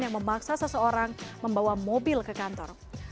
yang memaksa seseorang membawa mobil ke kantor